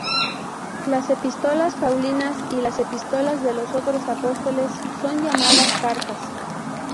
Las epístolas paulinas y las epístolas de los otros apóstoles son llamadas Cartas.